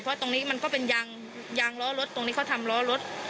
เพราะตรงนี้มันก็เป็นยางยางล้อรถตรงนี้เขาทำล้อรถ